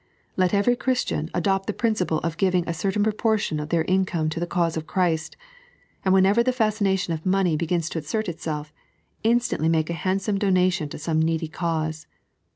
Let every Christian adopt the principle of giving a cer tain proportion of the income to the cause of Christ, and whenever the fascination of money begins to assert itself, instantly make a handsome donation to some needy cause.